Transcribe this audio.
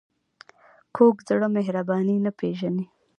کوږ زړه مهرباني نه پېژني